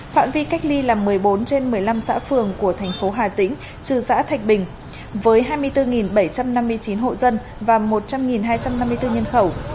phạm vi cách ly là một mươi bốn trên một mươi năm xã phường của thành phố hà tĩnh trừ xã thạch bình với hai mươi bốn bảy trăm năm mươi chín hộ dân và một trăm linh hai trăm năm mươi bốn nhân khẩu